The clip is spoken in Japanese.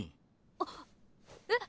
あっえっ？